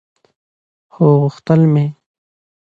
خو غوښتل مې